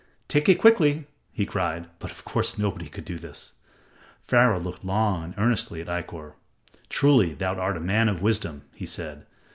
"Take it, quickly," he cried, but of course nobody could do this. Pharaoh looked long and earnestly at Ikkor. "Truly, thou art a man of wisdom," he said.